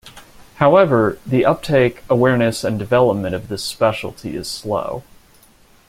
However, the uptake, awareness and development of this specialty is slow.